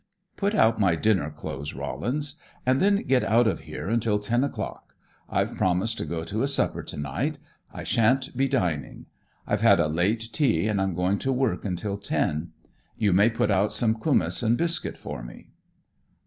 "Put out my dinner clothes, Rollins, and then get out of here until ten o'clock. I've promised to go to a supper to night. I shan't be dining. I've had a late tea and I'm going to work until ten. You may put out some kumiss and biscuit for me."